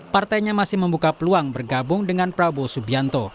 partainya masih membuka peluang bergabung dengan prabowo subianto